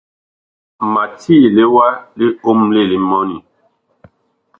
Ma tiile wa liomle li mɔni.